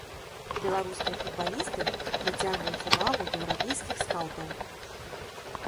Беларускія футбалісты прыцягваюць ўвагу еўрапейскіх скаўтаў.